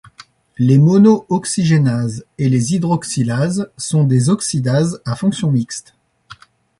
Les monooxygénases et les hydroxylases sont des oxydases à fonction mixte.